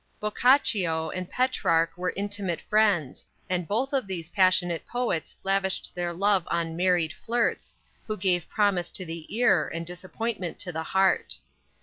Boccaccio and Petrarch were intimate friends, and both of these passionate poets lavished their love on "married flirts," who give promise to the ear and disappointment to the heart.